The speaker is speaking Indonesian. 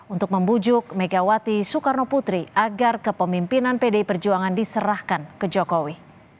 untuk membujuk megawati soekarno putri agar kepemimpinan pdi perjuangan diserahkan ke jokowi